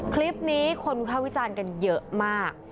คลิปนี้คนวิภาควิจารณ์กันเยอะมาก